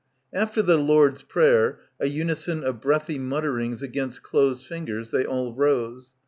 After the Lord's Prayer, a unison of breathy mutterings against closed fingers, they all rose.